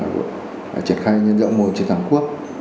chúng tôi đã triển khai nhân dạng môi truyền thắng quốc